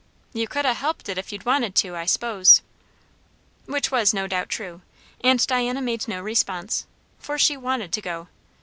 "You could ha' helped it if you'd wanted to, I s'pose." Which was no doubt true, and Diana made no response; for she wanted to go.